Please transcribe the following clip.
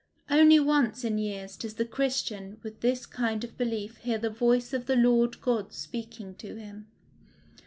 Only once in years does the Christian with this kind of belief hear the voice of the Lord God speaking to him.